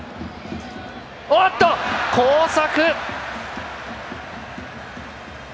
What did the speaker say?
交錯！